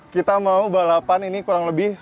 kita mau balapan ini kurang lebih